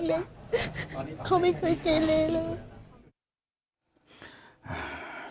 เขาไม่เคยเกเลเลย